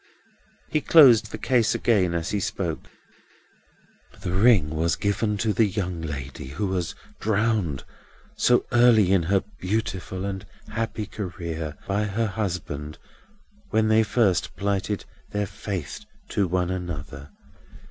He closed the case again as he spoke. "This ring was given to the young lady who was drowned so early in her beautiful and happy career, by her husband, when they first plighted their faith to one another.